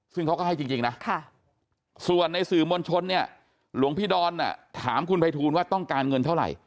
ซึ่งเขาก็ให้จริงนะส่วนในสื่อมวลชนเนี่ยหลวงพี่ดอนถามคุณภัยทูลว่าต้องการเงินเท่าไหร่